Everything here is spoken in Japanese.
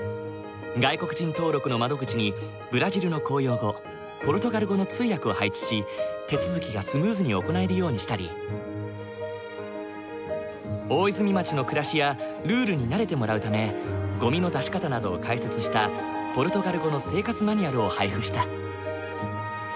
外国人登録の窓口にブラジルの公用語ポルトガル語の通訳を配置し手続きがスムーズに行えるようにしたり大泉町の暮らしやルールに慣れてもらうためゴミの出し方などを解説したポルトガル語の生活マニュアルを配布した。